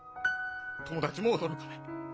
友達も驚かない。